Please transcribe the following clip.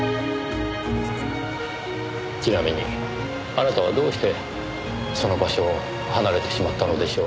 ちなみにあなたはどうしてその場所を離れてしまったのでしょう？